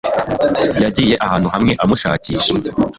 Yagiye ahantu hamwe amushakisha.